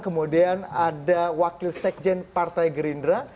kemudian ada wakil sekjen partai gerindra